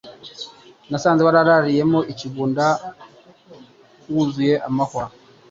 Nasanze wararariyemo ikigunda wuzuyemo amahwa